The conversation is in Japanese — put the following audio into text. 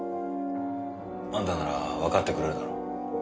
あんたならわかってくれるだろ？